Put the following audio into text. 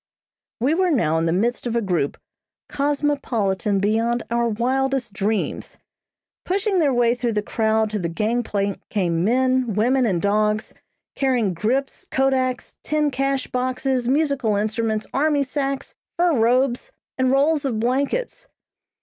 We were now in the midst of a group, cosmopolitan beyond our wildest dreams. Pushing their way through the crowd to the gangplank came men, women and dogs, carrying grips, kodaks, tin cash boxes, musical instruments, army sacks, fur robes, and rolls of blankets.